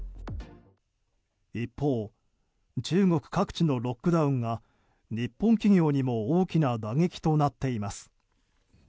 一方、中国各地のロックダウンが日本企業にも大きな打撃となっています。